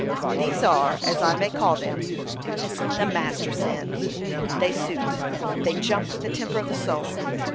These are, as I may call them, the master sins; they suit, they jump with the temper of the soul.